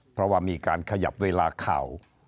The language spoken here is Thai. เพราะว่ามีการขยับเวลาข่าว